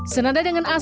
senada dengan asal